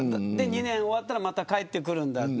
２年終わったらまた帰ってくるんだと。